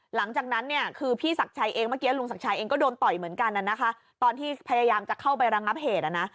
หลังจากนั้นพี่สักชัยเองเมื่อกี้ลุงสักชัยเองก็โดนต่อยเหมือนกันน่ะตอนที่พยายามจะเข้าไประงับเหตุ